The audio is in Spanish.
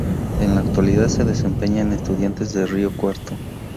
En la actualidad se desempeña en Estudiantes de Río Cuarto.